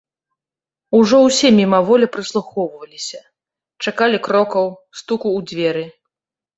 Ужо ўсе мімаволі прыслухоўваліся, чакалі крокаў, стуку ў дзверы.